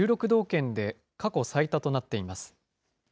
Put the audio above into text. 道県で過去最多となっています。